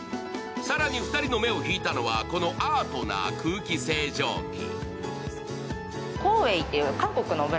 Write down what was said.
更に２人の目を引いたのは、このアートな空気清浄機。